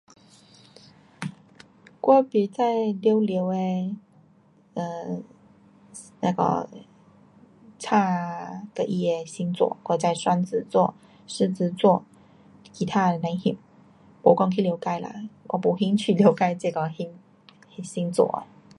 我甭晓全部的 um 那个星啊，跟它的星座，我会知双子座，狮子座，其他的甭晓。没讲去了解啦，我没兴趣了解这个星，星座。